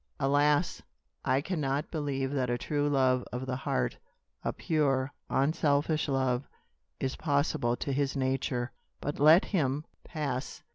"Alas! I can not believe that a true love of the heart a pure, unselfish love is possible to his nature! But let him pass.